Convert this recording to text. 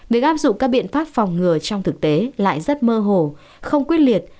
việc áp dụng các biện pháp phòng ngừa trong thực tế lại rất mơ hồ không quyết liệt